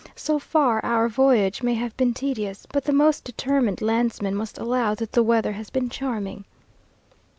So far, our voyage may have been tedious, but the most determined landsman must allow that the weather has been charming.